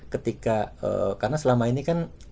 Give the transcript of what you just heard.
ketika karena selama ini kan